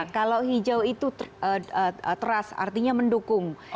kalau hijau itu trust artinya mendukung